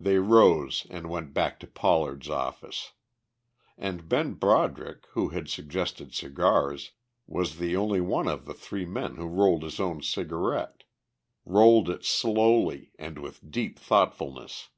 They rose and went back to Pollard's office. And Ben Broderick, who had suggested cigars, was the only one of the three men who rolled his own cigarette, rolled it slowly and with deep thoughtfulness.